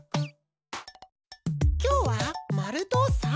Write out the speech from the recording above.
きょうはまるとさんかく！